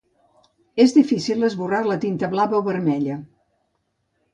És difícil esborrar la tinta blava o vermella.